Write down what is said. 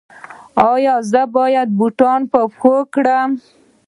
ایا زه باید بوټان په پښو کړم؟